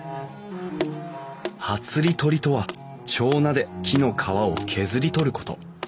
はつり取りとは手斧で木の皮を削り取ること。